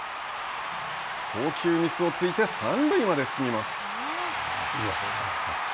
送球ミスを突いて三塁まで進みます。